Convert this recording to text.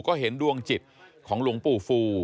ก็เห็นดวงจิตของหลวงปู่ฟู